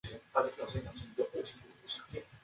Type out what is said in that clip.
站外有一个小型露天停车场和一处大客车停靠点。